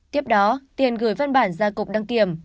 tiếp đó tiền gửi văn bản ra cục đăng kiểm